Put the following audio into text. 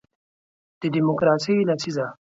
د دیموکراسۍ لسیزه